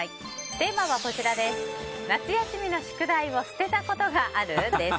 テーマは夏休みの宿題を捨てたことがある？です。